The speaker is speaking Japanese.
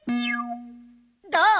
どう？